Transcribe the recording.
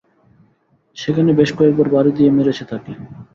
সেখানে বেশ কয়েকবার বাড়ি দিয়ে মেরেছে তাকে।